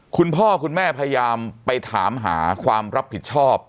คุณพ่อคุณแม่พยายามไปถามหาความรับผิดชอบ